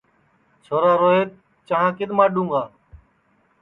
چھورا روہِیت چانٚھ کِدؔ ماڈُؔوں گا